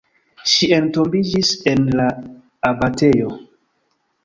Ŝi entombiĝis en la abatejo.